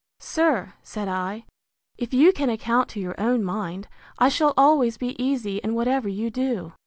Sir, said I, if you can account to your own mind, I shall always be easy in whatever you do.